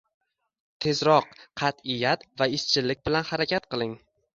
Tezroq, qat’iyat va izchillik bilan harakat qiling.